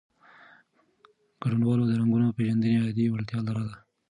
ګډونوالو د رنګونو پېژندنې عادي وړتیا لرله.